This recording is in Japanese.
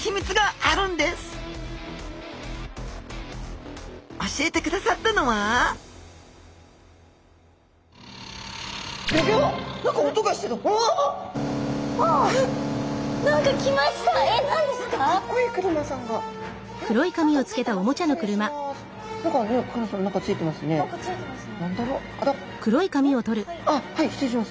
あはい失礼します！